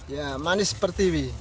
ya manis per tiwi